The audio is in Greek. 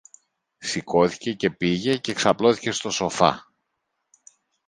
Σηκώθηκε και πήγε και ξαπλώθηκε στο σοφά.